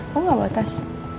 kamu gak bawa tas